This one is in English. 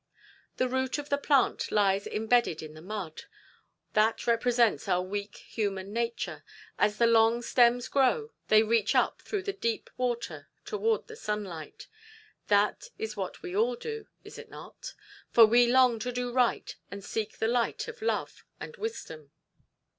The root of the plant lies embedded in the mud. That represents our weak human nature. As the long stems grow, they reach up through the deep water toward the sunlight. That is what we all do, is it not? for we long to do right and seek the light of love and wisdom.